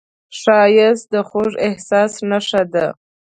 ښایست د خوږ احساس نښه ده